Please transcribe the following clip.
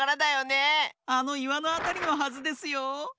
あのいわのあたりのはずですよ。